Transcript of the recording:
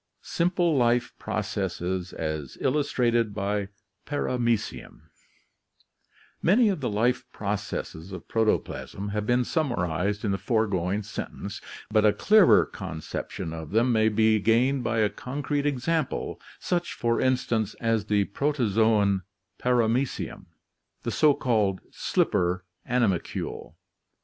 Simple Life Processes as Illustrated by Paramecium Many of the life processes of protoplasm have been summarized in the foregoing sentence, but a clearer conception of them may be gained by a concrete example, such, for instance, as the protozoon Paramecium, the so called slipper animalcule.